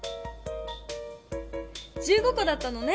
１５こだったのね！